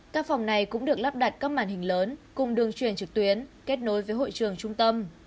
các phòng này cũng được lắp đặt các màn hình lớn cùng đường truyền trực tuyến kết nối với hội trường trung tâm